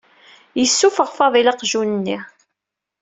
Yessufeɣ Faḍil aqjun-nni.